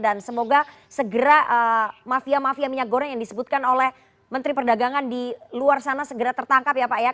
dan semoga segera mafia mafia minyak goreng yang disebutkan oleh menteri perdagangan di luar sana segera tertangkap ya pak